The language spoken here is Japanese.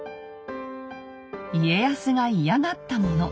家康が嫌がったもの。